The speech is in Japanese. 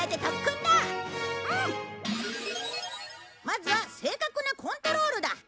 まずは正確なコントロールだ。